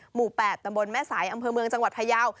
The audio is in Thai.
หมู่๘ตำบลแม่สายอำเภอเมืองจังหวัดพยาว